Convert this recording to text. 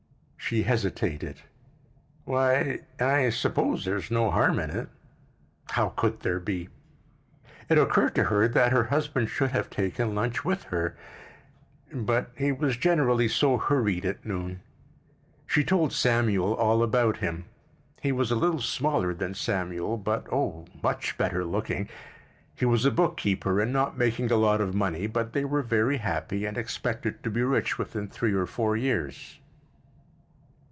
She hesitated. "Why, I suppose there's no harm in it. How could there be!" It occurred to her that her husband should have taken lunch with her—but he was generally so hurried at noon. She told Samuel all about him: he was a little smaller than Samuel, but, oh, much better looking. He was a book keeper and not making a lot of money, but they were very happy and expected to be rich within three or four years.